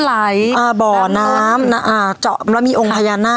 มีองค์พยานาคให้น้ำไหลเวียน